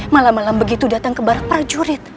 malah malah begitu datang ke barat prajurit